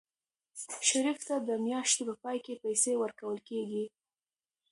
شریف ته د میاشتې په پای کې پیسې ورکول کېږي.